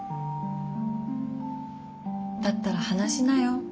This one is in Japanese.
だったら話しなよ